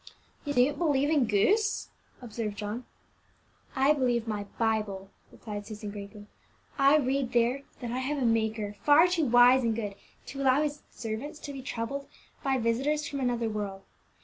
"You don't believe in ghosts," observed John. "I believe my Bible," replied Susan gravely; "I read there that I have a Maker far too wise and good to allow His servants to be troubled by visitors from another world.